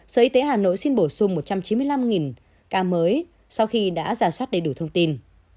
sở y tế hà nội xin bổ sung một trăm chín mươi năm ca mới sau khi đã giả soát đầy đủ thông tin